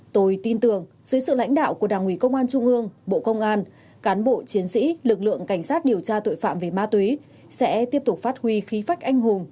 tôi tin tưởng dưới sự lãnh đạo của đảng ủy công an trung ương bộ công an cán bộ chiến sĩ lực lượng cảnh sát điều tra tội phạm về ma túy sẽ tiếp tục phát huy khí phách anh hùng